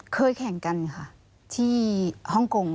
เคยแข่งกันค่ะที่ฮ่องกง